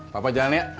papa jalan ya